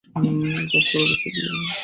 কাজ করা অবস্থায় বিয়ার খাচ্ছো?